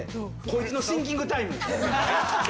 こいつのシンキングタイム。